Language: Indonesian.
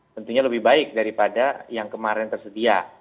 tentunya lebih baik daripada yang kemarin tersedia